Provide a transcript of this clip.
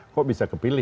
kok bisa ke sini